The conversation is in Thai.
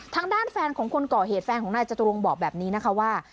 ทางด้านแฟนของคนก่อเหตุแฟนของนายจตุรงบอกแบบนี้นะคะว่า